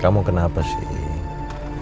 kamu kenapa sih